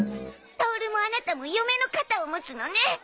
トオルもアナタも嫁の肩を持つのね。